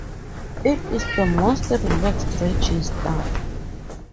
It is the most relaxed register.